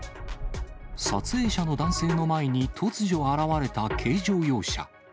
撮影者の男性の前に、突如現れた軽乗用車。